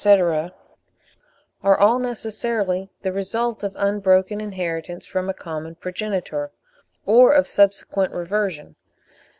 —are all necessarily the result of unbroken inheritance from a common progenitor, or of subsequent reversion.